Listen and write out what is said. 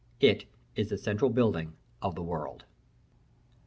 It is the central building of the world.